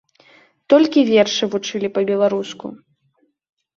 Толькі вершы вучылі па-беларуску.